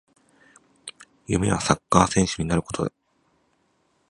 夢はサッカー選手になることだ